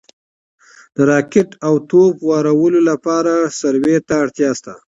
د راکټ او توپ د وارولو لپاره سروې ته اړتیا شته